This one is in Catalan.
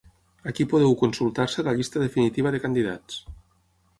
Ací podeu consultar-se la llista definitiva de candidats.